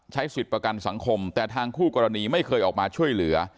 สิทธิ์ประกันสังคมแต่ทางคู่กรณีไม่เคยออกมาช่วยเหลือ